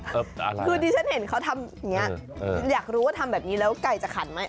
คือที่ฉันเห็นเขาทำอย่างนี้อยากรู้ว่าทำแบบนี้แล้วไก่จะขันไหม